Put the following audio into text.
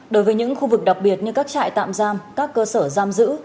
đối với những khu vực đặc biệt như các trại tạm giam các cơ sở giam giữ